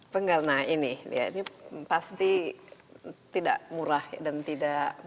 penggalangan ini pasti tidak murah dan tidak mudah ya